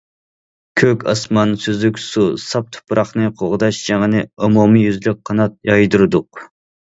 كۆك ئاسمان، سۈزۈك سۇ، ساپ تۇپراقنى قوغداش جېڭىنى ئومۇميۈزلۈك قانات يايدۇردۇق.